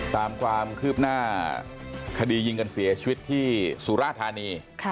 ตามความคืบหน้าคดียิงกันเสียชีวิตที่สุราธานี